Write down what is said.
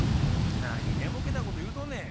なにねぼけたこというとんねん。